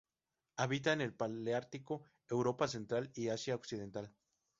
Habita en el paleártico: Europa central y Asia occidental.